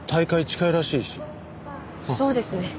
そうですね。